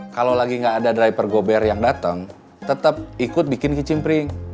kalau lagi nggak ada driver gober yang datang tetap ikut bikin kicimpring